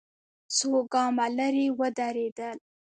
څو ګامه ليرې ودرېدل.